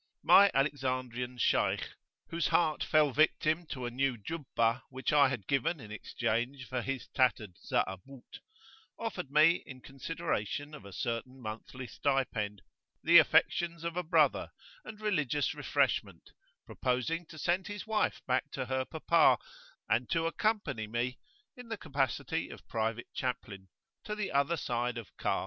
My Alexandrian Shaykh, whose heart [p.17]fell victim to a new "jubbah," which I had given in exchange for his tattered za'abut[FN#2] offered me, in consideration of a certain monthly stipend, the affections of a brother and religious refreshment, proposing to send his wife back to her papa, and to accompany me, in the capacity of private chaplain to the other side of Kaf.